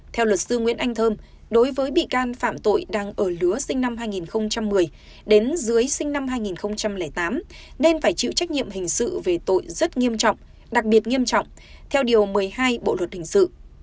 theo luật sư nguyễn anh thơm đối với bị can phạm tội đang ở lứa sinh năm hai nghìn một mươi đến dưới sinh năm hai nghìn tám nên phải chịu trách nhiệm hình sự về tội rất nghiêm trọng đặc biệt nghiêm trọng theo điều một mươi hai bộ luật hình sự